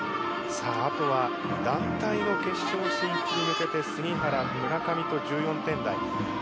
あとは団体の決勝進出に向けて杉原、村上と１４点台。